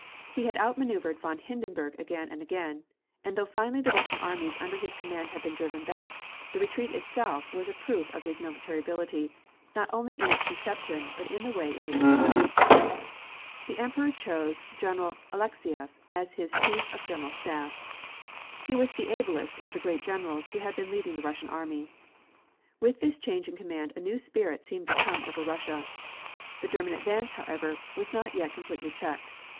He had outmaneuvered von Hindenberg again and again, and though finally the Russian armies under his command had been driven back, the retreat itself was a proof of his military ability, not only in its conception, but in the way in which it was done. The Emperor chose General Alexieff as his Chief of General Staff. He was the ablest of the great generals who had been leading the Russian army. With this change in command a new spirit seemed to come over Russia. The German advance, however, was not yet completely checked.